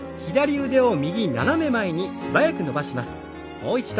もう一度。